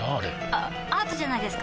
あアートじゃないですか？